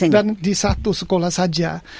dan di satu sekolah saja